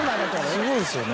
すごいですよね。